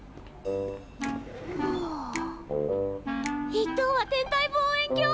一等は天体望遠鏡！